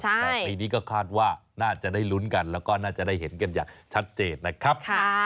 แต่ปีนี้ก็คาดว่าน่าจะได้ลุ้นกันแล้วก็น่าจะได้เห็นกันอย่างชัดเจนนะครับ